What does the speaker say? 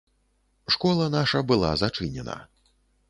Школа наша была зачынена.